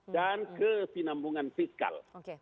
dan kesinambungan fiskal